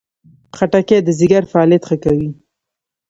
خټکی د ځیګر فعالیت ښه کوي.